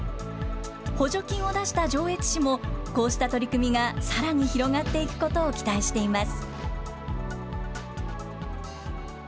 補助金を出した上越市も、こうした取り組みがさらに広がっていくことを期待しています。